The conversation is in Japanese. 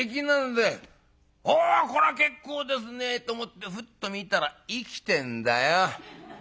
『おこら結構ですね』と思ってフッと見たら生きてんだよ。